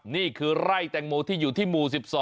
นี่คือไร่แตงโมที่อยู่ที่หมู่๑๒